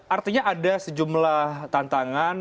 artinya ada sejumlah tantangan